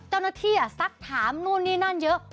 เจ้าหน้าที่อ่ะสักถามนู่นนี่นั่นเยอะ